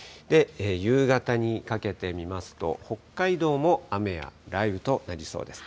夕方にかけて見ますと、北海道も雨や雷雨となりそうです。